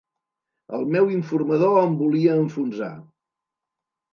El meu informador em volia enfonsar!